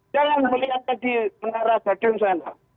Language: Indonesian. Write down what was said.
jangan melihatnya di menara stadion sana